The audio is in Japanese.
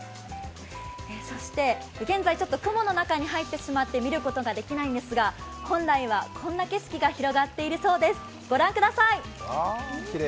そして現在、雲の中に入ってしまって見ることができないんですが本来はこんな景色が広がっているそうです、御覧ください。